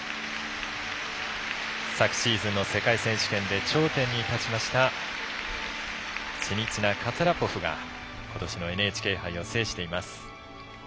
昨シーズンの世界選手権で頂点に立ちましたシニツィナ、カツァラポフがことしのＮＨＫ杯を制しています。